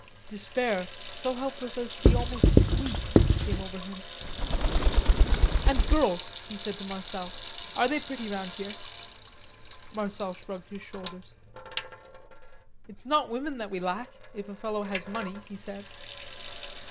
Despair, so helpless as to be almost sweet, came over him. "And girls," he said suddenly to Marcel, "are they pretty round here?" Marcel shrugged his shoulders. "It's not women that we lack, if a fellow has money," he said.